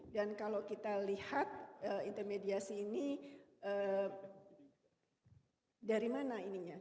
dan kalau kita lihat intermediasi ini dari mana ininya